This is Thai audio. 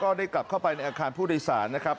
ได้กลับเข้าไปในอาคารผู้โดยสารนะครับ